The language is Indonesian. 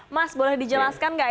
mas boleh dijelaskan nggak